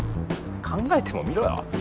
考えてもみろよ